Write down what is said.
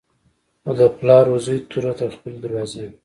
خو د پلار و زوی توره تر خپلې دروازې وه.